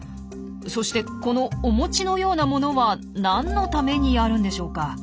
そしてこのお餅のようなものは何のためにあるんでしょうか？